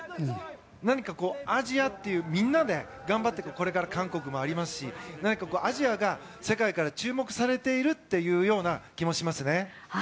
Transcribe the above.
何かアジアというみんなで頑張っていくこれから韓国もありますしアジアが世界から注目されているというような気もしますね。